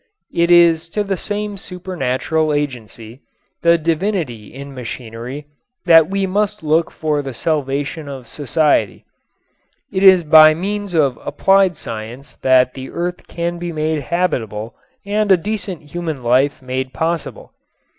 It is to the same supernatural agency, the divinity in machinery, that we must look for the salvation of society. It is by means of applied science that the earth can be made habitable and a decent human life made possible.